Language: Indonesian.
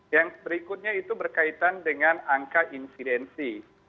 yang berikutnya itu berkaitan dengan angka insidensi